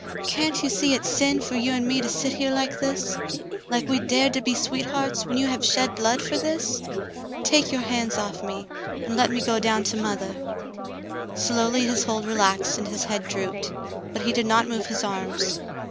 "Can't you see it's sin for you and me to sit here like this — like we dared to be sweethearts, when j^ou have shed blood for this .^ Take your hands off me, and let me go down to mothah." Slowly his hold relaxed and his head drooped, but he did not move his arms.